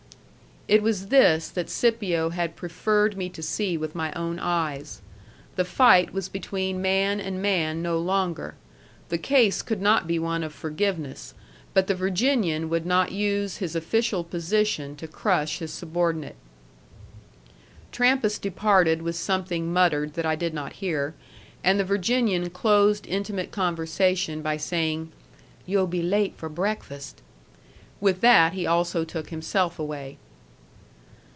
It was this that Scipio had preferred me to see with my own eyes. The fight was between man and man no longer. The case could not be one of forgiveness; but the Virginian would not use his official position to crush his subordinate. Trampas departed with something muttered that I did not hear, and the Virginian closed intimate conversation by saying, "You'll be late for breakfast." With that he also took himself away.